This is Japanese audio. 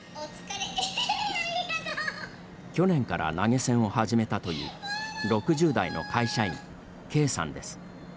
去年から投げ銭を始めたという６０代の会社員、Ｋさんです。